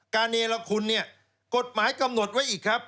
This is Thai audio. เนรคุณเนี่ยกฎหมายกำหนดไว้อีกครับ